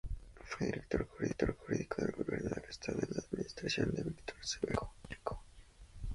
Fue director jurídico del gobierno del estado en la administración de Víctor Cervera Pacheco.